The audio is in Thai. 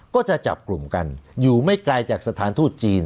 ก็จะจับกลุ่มกันอยู่ไม่ไกลจากสถานทูตจีน